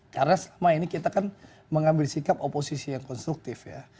karena selama ini kita kan mengambil sikap oposisi yang konstruktif ya